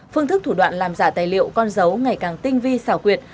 phương thức thủ đoạn làm giả tài liệu con dấu ngày càng tinh vi xảo quyệt